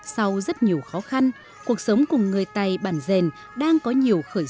sau rất nhiều khó khăn cuộc sống của người tày bản dền đang có nhiều khởi sắc